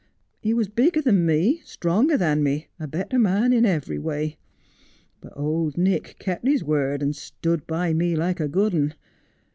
He was bigger than me, stronger than me, a better man every way ; but Old Nick kep' his word, and stood by me like a good un.